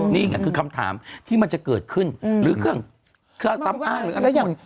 นี่เนี่ยคือคำถามที่มันจะเกิดขึ้นหรือเครื่องซ้ำอ้างหรืออะไรทุกอย่าง